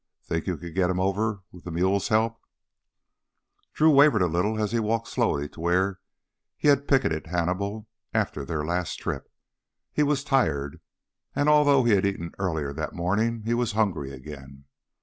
"Think you could get him over with the mule's help?" Drew wavered a little as he walked slowly to where he had picketed Hannibal after their last trip. He was tired, and although he had eaten earlier that morning, he was hungry again.